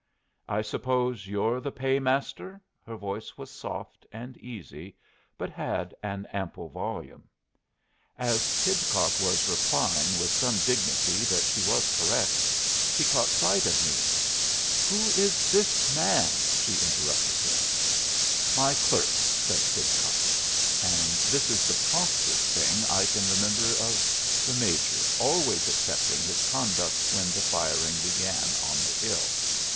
"I suppose you're the Paymaster?" Her voice was soft and easy, but had an ample volume. As Pidcock was replying with some dignity that she was correct, she caught sight of me. "Who is this man?" she interrupted him. "My clerk," said Pidcock; and this is the promptest thing I can remember of the Major, always excepting his conduct when the firing began on the hill.